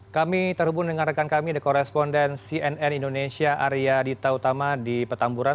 kami terhubung dengan rekan kami the corresponden cnn indonesia arya dita utama di petamburan